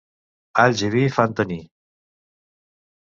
Alls i vi fan tenir.